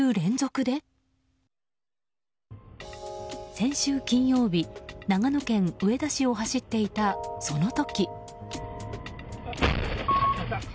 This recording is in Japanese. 先週金曜日、長野県上田市を走っていたその時。